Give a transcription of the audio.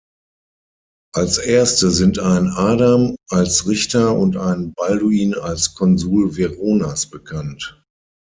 Als erste sind ein Adam als Richter und ein Balduin als Konsul Veronas bekannt.